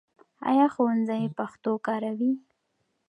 ایا ښوونځی پښتو کاروي؟